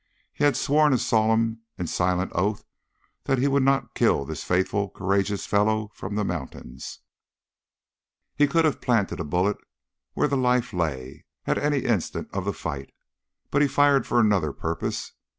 He had sworn a solemn and silent oath that he would not kill this faithful, courageous fellow from the mountains. He could have planted a bullet where the life lay, at any instant of the fight. But he fired for another purpose.